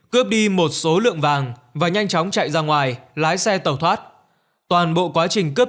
cướp đi một số lượng vàng và nhanh chóng chạy ra ngoài lái xe tàu thoát toàn bộ quá trình cướp